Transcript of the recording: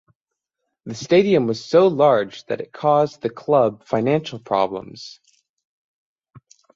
The stadium was so large that it caused the club financial problems.